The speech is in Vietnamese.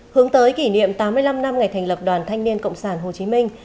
hướng tới kỷ niệm tám mươi năm năm ngày thành lập đoàn thanh niên cộng sản hồ chí minh